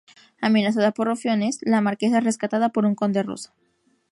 Amenazada por rufianes, la marquesa es rescatada por un conde ruso.